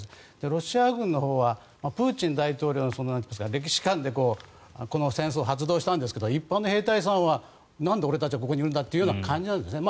ロシア軍はプーチン大統領の歴史観でこの戦争を発動したんですが一方の兵隊さんはなんで俺たちはここにいるんだという感じですね。